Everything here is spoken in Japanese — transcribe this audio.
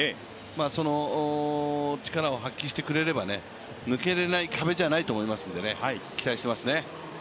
その力を発揮してくれれば抜けれない壁ではないと思いますので期待していますね。